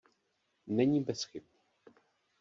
Není bez chyb.